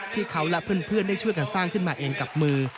ที่เขาและเพื่อนได้ช่วยกันสร้างขึ้นมาเองกับมือ